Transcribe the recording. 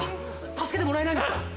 助けてもらえないんですか？